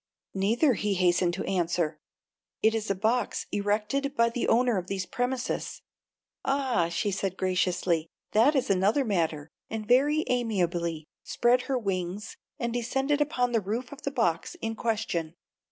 "Neither," he hastened to answer; "it is a box erected by the owner of these premises." "Ah," said she, graciously, "that is another matter," and very amiably spread her wings and descended upon the roof of the box in question.